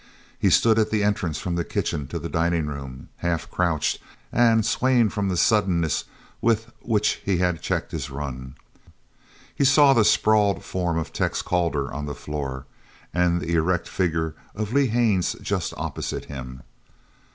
He stood at the entrance from the kitchen to the dining room half crouched, and swaying from the suddenness with which he had checked his run. He saw the sprawled form of Tex Calder on the floor and the erect figure of Lee Haines just opposite him.